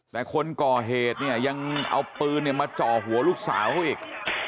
แต่คนก่อเหตุเนี่ยยังเอาปืนมาจ่อหัวลูกสาวเขาอีก